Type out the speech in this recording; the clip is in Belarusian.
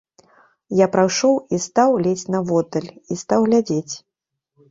Я прайшоў і стаў ледзь наводдаль, і стаў глядзець.